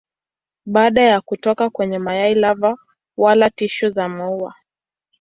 Baada ya kutoka kwenye mayai lava wala tishu za maua.